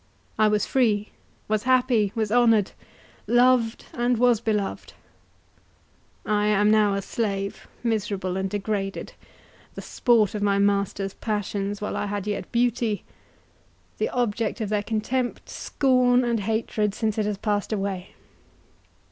I was free, was happy, was honoured, loved, and was beloved. I am now a slave, miserable and degraded—the sport of my masters' passions while I had yet beauty—the object of their contempt, scorn, and hatred, since it has passed away.